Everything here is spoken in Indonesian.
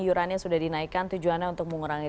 iurannya sudah dinaikkan tujuannya untuk mengurangi